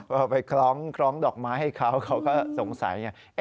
เอาไปคล้องดอกไม้ให้เขาเขาก็สงสัยไง